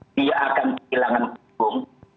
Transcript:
dia akan hilangkan panggung